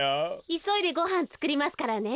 いそいでごはんつくりますからね。